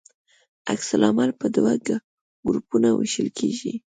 عکس العمل په دوه ګروپونو ویشل کیږي.